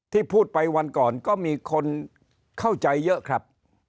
พูดไปวันก่อนก็มีคนเข้าใจเยอะครับ